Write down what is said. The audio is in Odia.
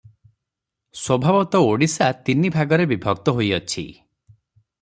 ସ୍ୱଭାବତଃ ଓଡ଼ିଶା ତିନି ଭାଗରେ ବିଭକ୍ତ ହୋଇଅଛି ।